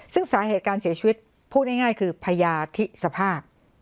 ซึ่งสาเหตุการเสียชีวิตพูดง่ายคือพญาธิสภาพ